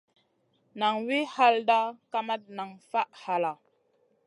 Naŋ wi halda, kamat nan faʼ halla.